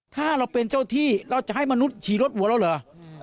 ถ้าเราเป็นเจ้าที่เราจะให้มนุษย์ฉี่รถหัวเราเหรอ